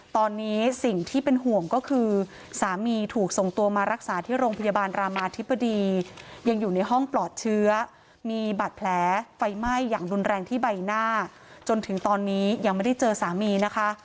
ตอนนี้สิ่งที่เป็นห่วงก็คือสามีถูกส่งตัวมารักษาที่โรงพยาบาลรามาธิบดียังอยู่ในห้องปลอดเชื้อมีบาดแผลไฟไหม้อย่างรุนแรงที่ใบหน้าจนถึงตอนนี้ยังไม่ได้เจอสามีนะคะ